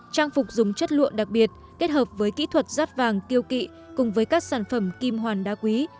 trang phục dùng chất lượng đặc biệt kết hợp với kỹ thuật rát vàng tiêu kỵ cùng với các sản phẩm kim hoàn đá quý